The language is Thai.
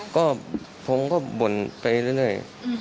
ก็ผมก็บ่นไปเรื่อย